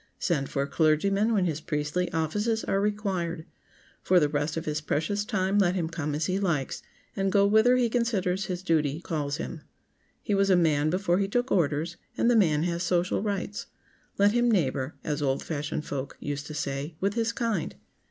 Send for a clergyman when his priestly offices are required. For the rest of his precious time let him come as he likes, and go whither he considers his duty calls him. He was a man before he took orders, and the man has social rights. Let him "neighbor," as old fashioned folk used to say, with his kind.